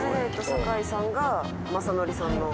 坂井さんが雅紀さんの。